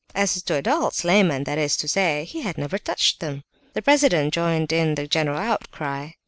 As to adults, laymen that is to say, he had never touched them." The president joined in the general outcry.